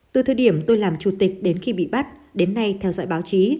từ thời điểm tôi làm chủ tịch đến khi bị bắt đến nay theo dõi báo chí